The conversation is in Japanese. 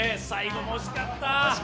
最後も惜しかった。